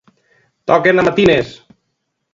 Toquen a matines!